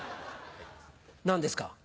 何ですか？